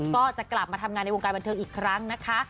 ก็จะกลับมาทำงานในวงการบันเทิงอีกครั้งนะคะ